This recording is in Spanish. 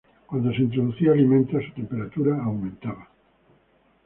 Cuando se introducía alimento su temperatura aumentaba.